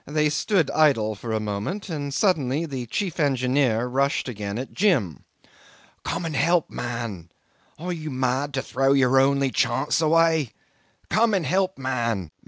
They stood idle for a moment, and suddenly the chief engineer rushed again at Jim. '"Come and help, man! Are you mad to throw your only chance away? Come and help, man!